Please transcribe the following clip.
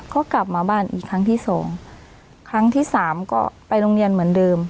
ก็กลับมาบ้านอีกครั้งที่สองครั้งที่สามก็ไปโรงเรียนเหมือนเดิม